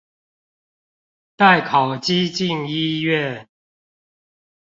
帶烤雞進醫院